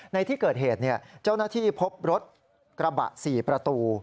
ในที่เกิดเหตุเจ้าหน้าที่พบรถกระบะ๔ประตู